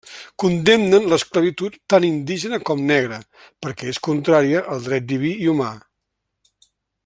Condemnen l'esclavitud tant indígena com negra, perquè és contrària al dret diví i humà.